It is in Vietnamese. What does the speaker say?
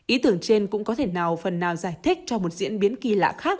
ý tưởng trên cũng có thể nào phần nào giải thích cho một diễn biến kỳ lạ khác